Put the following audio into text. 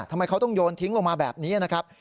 ทำไมเขาต้องโยนทิ้งลงมาแบบนี้นะครับ